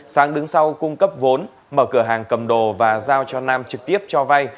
sáng đứng sau cung cấp vốn mở cửa hàng cầm đồ và giao cho nam trực tiếp cho vay